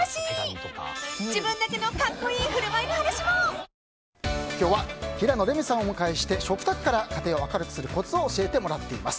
トーンアップ出た今日は平野レミさんをお迎えして食卓から家庭を明るくするコツを教えてもらっています。